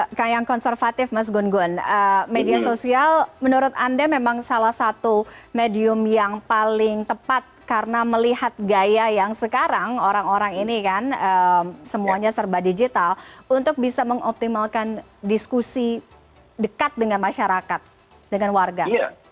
langkah yang konservatif mas gun gun media sosial menurut anda memang salah satu medium yang paling tepat karena melihat gaya yang sekarang orang orang ini kan semuanya serba digital untuk bisa mengoptimalkan diskusi dekat dengan masyarakat dengan warga